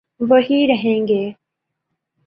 وہی رہیں گے۔